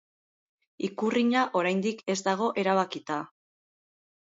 Ikurriña oraindik ez dago erabakita.